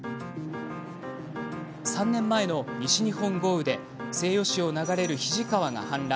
３年前の西日本豪雨で、西予市を流れる肱川が氾濫。